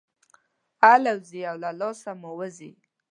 الوزي او له لاسه مو وځي.